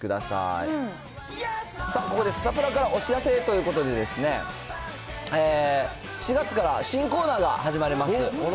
さあ、ここでサタプラからお知らせということで、４月から新コーナーが始まります。